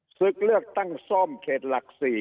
ศึกเลือกตั้งซ่อมเขตหลัก๔